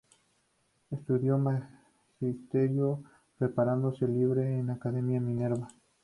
Estudió magisterio, preparándose libre en la Academia Minerva.